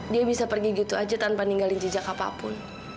dia bisa pergi gitu aja tanpa ninggalin jejak apapun